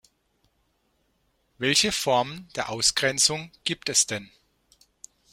Welche Formen der Ausgrenzung gibt es denn?